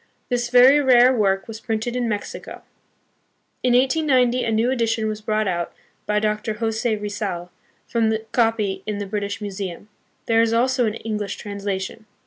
This very rare work was printed hi Mexico. In 1890 a new edition was brought out by Dr. Jose Rizal, from the copy hi the British Museum. There is also an English translation.